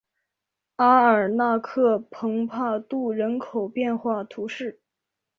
阿尔纳克蓬帕杜人口变化图示